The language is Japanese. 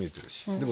でも。